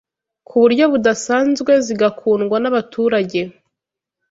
ku buryo budasanzwe zigakundwa n’abaturage